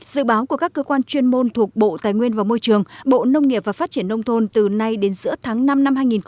dự báo của các cơ quan chuyên môn thuộc bộ tài nguyên và môi trường bộ nông nghiệp và phát triển nông thôn từ nay đến giữa tháng năm năm hai nghìn hai mươi